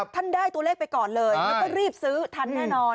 ท่านได้ตัวเลขไปก่อนเลยแล้วก็รีบซื้อทันแน่นอน